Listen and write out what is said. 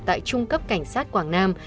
tại trung cấp cảnh sát quảng nam